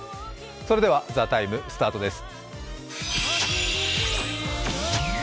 それでは、「ＴＨＥＴＩＭＥ，」スタートです。